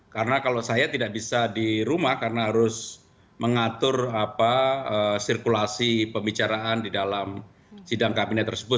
karena kalau saya tidak bisa di rumah karena harus mengatur sirkulasi pembicaraan di dalam sidang kabinet tersebut